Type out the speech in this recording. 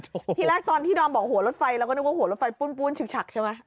ทีแรกตอนที่ดอมบอกหัวรถไฟเราก็นึกว่าหัวรถไฟปุ้นฉิกฉักใช่ไหม